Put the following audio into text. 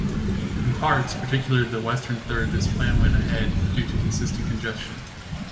In parts, particularly the western third this plan went ahead, due to consistent congestion.